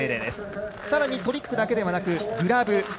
さらにトリックだけでなくグラブ。